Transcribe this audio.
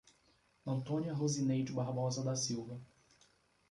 Antônia Rosineide Barbosa da Silva